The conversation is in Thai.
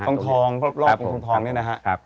ทองทองรอบทองทองนี่นะฮะ